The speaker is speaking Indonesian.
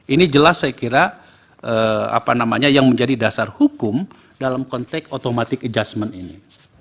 ini jelas saya kira apa namanya yang menjadi dasar hukum dalam konteks automatic adjustment ini